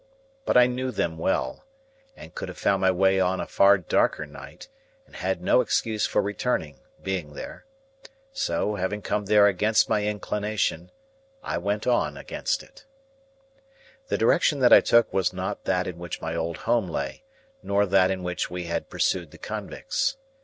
But I knew them well, and could have found my way on a far darker night, and had no excuse for returning, being there. So, having come there against my inclination, I went on against it. The direction that I took was not that in which my old home lay, nor that in which we had pursued the convicts.